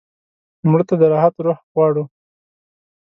مړه ته د راحت روح غواړو